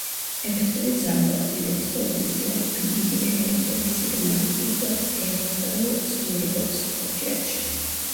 ეფექტური ძაბვა, ქმედების პოტენციალი ან იგივე „ელექტრული სიგნალი“ იწვევს ელექტრულ ცვლილებებს სხვა უჯრედში.